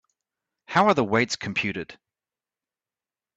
How are the weights computed?